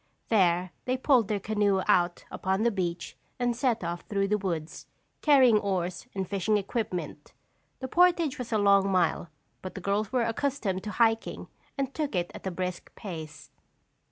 There they pulled their canoe out upon the beach and set off through the woods, carrying oars and fishing equipment. The portage was a long mile but the girls were accustomed to hiking and took it at a brisk pace.